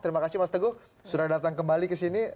terima kasih mas teguh sudah datang kembali ke sini